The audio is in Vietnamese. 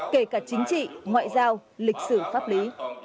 kể cả chính trị ngoại giao lịch sử pháp lý